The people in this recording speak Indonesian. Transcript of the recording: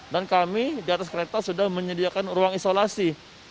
dan kami di atas kereta sudah menyediakan ruang isolasi